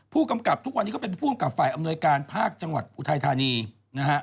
ผู้กำกับทุกวันนี้เขาเป็นผู้อำกับฝ่ายอำนวยการภาคจังหวัดอุทัยธานีนะฮะ